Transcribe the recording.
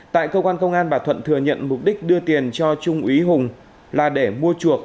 tại cơ quan công an bà thuận thừa nhận mục đích đưa tiền cho trung úy hùng là để mua chuộc